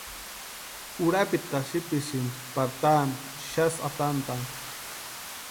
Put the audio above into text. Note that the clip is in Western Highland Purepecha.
Urapiti kasïpisïnti pari taani xasï atantʼani.